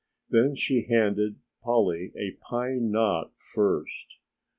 Then she handed Polly a pine knot first.